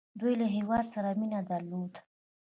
دوی له هیواد سره مینه درلوده.